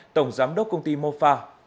tổng giám đốc công ty mofa